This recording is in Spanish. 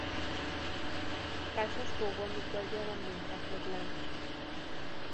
Calzas, jubón y cuello eran de encaje blanco.